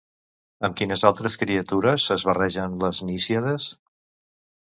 Amb quines altres criatures es barregen les Nisíades?